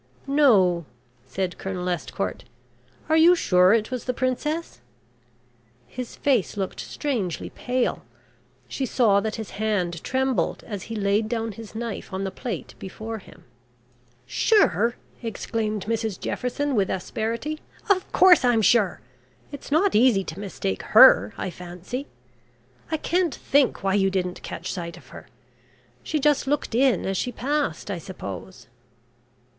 "No," said Colonel Estcourt. "Are you sure it was the princess?" His face looked strangely pale. She saw that his hand trembled as he laid down his knife on the plate before him. "Sure?" exclaimed Mrs Jefferson, with asperity. "Of course I'm sure! It's not easy to mistake her, I fancy. I can't think why you didn't catch sight of her. She just looked in as she passed, I suppose."